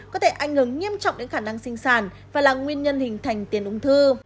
có thể ảnh hưởng nghiêm trọng đến khả năng sinh sản và là nguyên nhân hình thành tiền ung thư